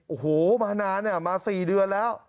โอ้โหมานานมา๔เดือนแล้ว